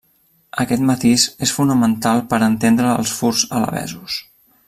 Aquest matís és fonamental per a entendre els furs alabesos.